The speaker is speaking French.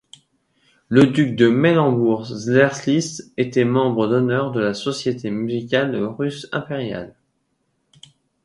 Le duc de Mecklembourg-Strelitz était membre d'honneur de la Société musicale russe impériale.